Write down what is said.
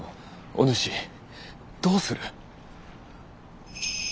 おぬしどうする？